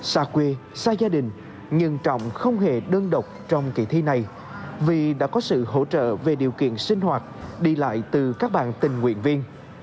xa quê xa gia đình nhưng trọng không hề đơn độc trong kỳ thi này vì đã có sự hỗ trợ về điều kiện sinh hoạt đi lại từ các bạn tình nguyện viên